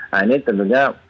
nah ini tentunya